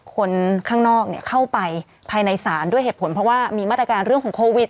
คนข้างนอกเข้าไปภายในศาลด้วยเหตุผลเพราะว่ามีมาตรการเรื่องของโควิด